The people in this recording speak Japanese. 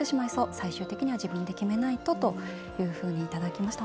最終的には自分で決めないと」というふうにいただきました。